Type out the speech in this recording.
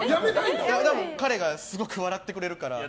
彼がすごく笑ってくれるから。